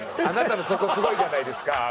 「あなたのそこすごいじゃないですか」。